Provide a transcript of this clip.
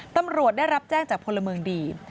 ตำรวจได้รับแจ้งจากพลเมืองดี